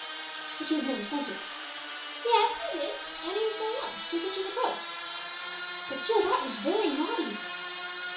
"But you have never sent it?" "Yes, I did. Annie was going out, and she took it to the post." "But Jill, that was very naughty."